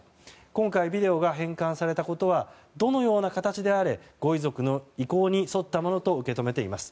今回、ビデオが返還されたことはどのような形であれご遺族の意向に沿ったものと受け止めています。